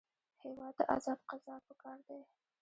هېواد ته ازاد قضا پکار دی